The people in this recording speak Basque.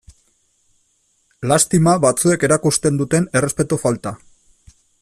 Lastima batzuek erakusten duten errespetu falta.